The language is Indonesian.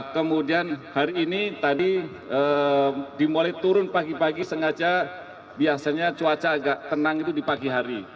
kemudian hari ini tadi dimulai turun pagi pagi sengaja biasanya cuaca agak tenang itu di pagi hari